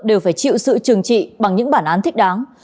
đều phải chịu sự trừng trị bằng những bản án thích đáng